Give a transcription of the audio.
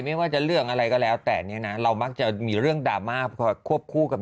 ไม่ว่าจะเรื่องอะไรก็แล้วแต่เนี่ยนะเรามักจะมีเรื่องดราม่าพอควบคู่กัน